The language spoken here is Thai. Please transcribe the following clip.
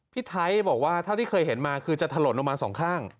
พี่ไทยบอกว่าเท่าที่เคยเห็นมาคือจะถล่นลงมาสองข้าง